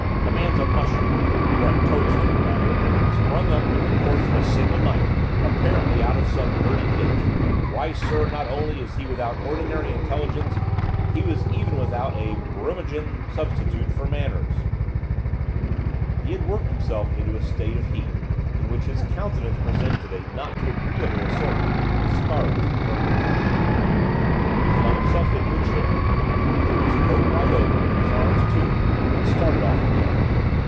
The man's a mushroom, or a toadstool, rather! sprung up in the course of a single night, apparently out of some dirty ditch. Why, sir, not only is he without ordinary intelligence, he is even without a Brummagen substitute for manners.' He had worked himself into a state of heat in which his countenance presented a not too agreeable assortment of scarlets and purples. He flung himself into a chair, threw his coat wide open, and his arms too, and started off again.